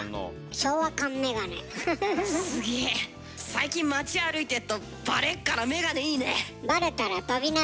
最近町歩いてっとバレっからメガネいいね！